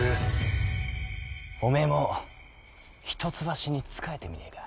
おめえも一橋に仕えてみねえか？